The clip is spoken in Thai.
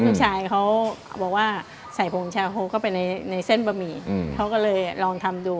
เขาบอกว่าใส่ผงชาโฮเข้าไปในเส้นบะหมี่เขาก็เลยลองทำดู